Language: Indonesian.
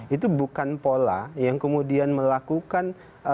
itu bukan pola yang kemudian melakukan